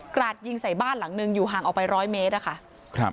กระดยิงใส่บ้านหลังหนึ่งอยู่ห่างออกไป๑๐๐เมตร